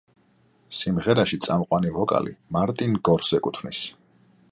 სიმღერაში წამყვანი ვოკალი მარტინ გორს ეკუთვნის.